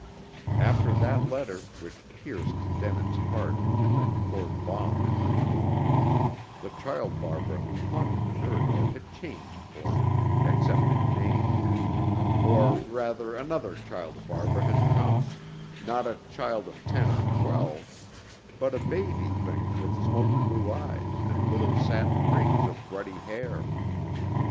After that letter, which pierced Denin's heart and then poured balm into the wound, the child Barbara who haunted the Mirador had changed for him, except in name; or rather another child Barbara had come, not a child of ten or twelve, but a baby thing with smoke blue eyes and little satin rings of ruddy hair.